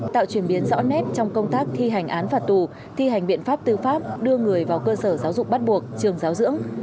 tạo chuyển biến rõ nét trong công tác thi hành án phạt tù thi hành biện pháp tư pháp đưa người vào cơ sở giáo dục bắt buộc trường giáo dưỡng